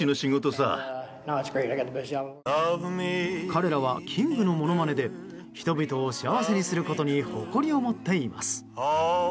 彼らはキングのものまねで人々を幸せにすることに誇りを持っています。